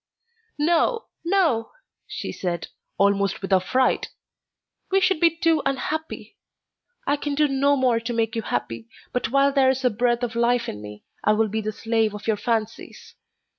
"No, no!" she said, almost with affright; "we should be too unhappy. I can do no more to make you happy, but while there is a breath of life in me, I will be the slave of your fancies.